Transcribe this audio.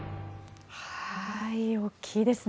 大きいですね。